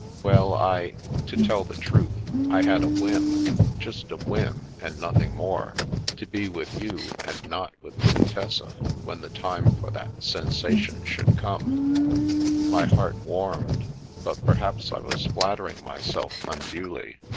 " Well, I— to tell the truth, I had a whim— just a whim, and nothing more — ^to be with you and not with the Contessa when the time for that sensation should come." The Little Game of Flirtation 213 My heart warmed; but perhaps I was flattering myself unduly.